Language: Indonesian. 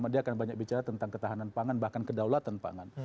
dia akan banyak bicara tentang ketahanan pangan bahkan kedaulatan pangan